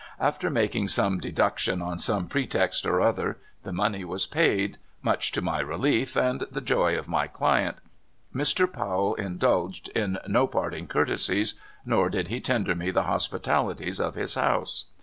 After making some deduction on some pretext or other, the money was paid, much to my relief and the joy of my client. Mr. Powell indulged m no parting courtesies, nor did he tender me the hospitalities of his house.